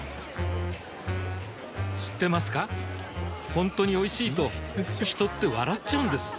ほんとにおいしいと人って笑っちゃうんです